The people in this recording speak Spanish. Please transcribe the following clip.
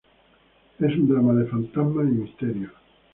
Es un drama de fantasmas y misterio.